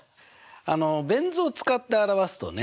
あのベン図を使って表すとね